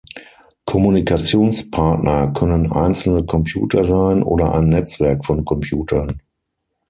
Kommunikationspartner können einzelne Computer sein oder ein Netzwerk von Computern.